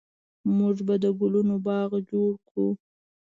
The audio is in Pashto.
موږ به د ګلونو باغ جوړ کړو